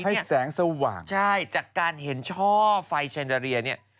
ให้แสงสว่างใช่จากการเห็นช่อไฟแนอเรียเนี่ย